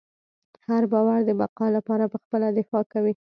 هر باور د بقا لپاره پخپله دفاع کوي.